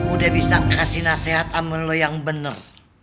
udah bisa kasih nasihat sama lo yang bener